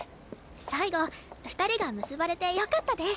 最後２人が結ばれてよかったです。